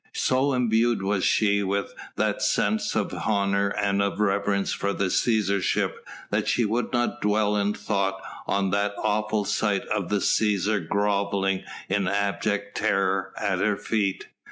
So imbued was she with that sense of honour and of reverence for the Cæsarship, that she would not dwell in thought on that awful sight of the Cæsar grovelling in abject terror at her feet.